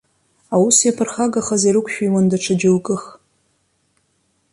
Аус иаԥырхагахаз ирықәшәиуан даҽа џьоукых.